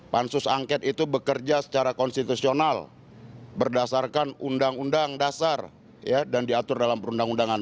pansus angket itu bekerja secara konstitusional berdasarkan undang undang dasar dan diatur dalam perundang undangan